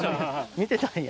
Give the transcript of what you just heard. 見てたんや。